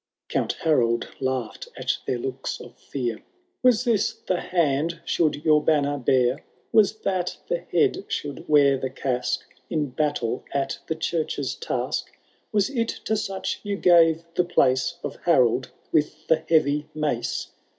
VI. Coimt Harold laughed at their looks of fear ;•( Was this the hand should your banner bear ? Was that the head should wear the casque In battle at the churches task ? Was it to such you gave the place Of Harold with the heavy mace